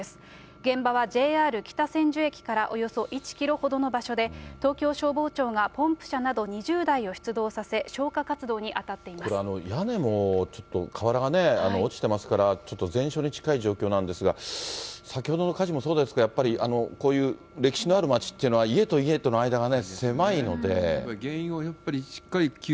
現場はＪＲ北千住駅からおよそ１キロほどの場所で、東京消防庁がポンプ車など２０台を出動させ、消火活動に当たってこれ、屋根もちょっと瓦が落ちてますから、ちょっと全焼に近い状況なんですが、先ほどの火事もそうですけど、やっぱりこういう歴史のある町っていうのは、パパ、もうすぐ６０歳だね！